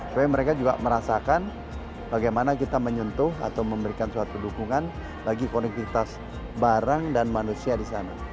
supaya mereka juga merasakan bagaimana kita menyentuh atau memberikan suatu dukungan bagi konektivitas barang dan manusia di sana